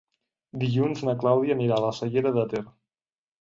Dilluns na Clàudia anirà a la Cellera de Ter.